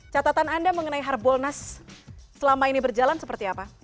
catatan anda mengenai harbolnas selama ini berjalan seperti apa